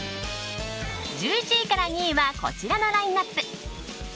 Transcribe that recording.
１１位から２位はこちらのラインアップ。